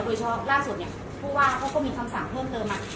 โดยเฉพาะล่าส่วนเนี่ยเพราะว่าเขาก็มีคำสั่งเพิ่มเติมมา